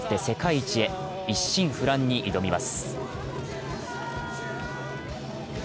一心不乱に挑みます。